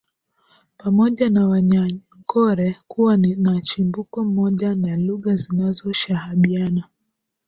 Pamoja na wanyankore kuwa na chimbuko moja na lugha zinazoshahabiana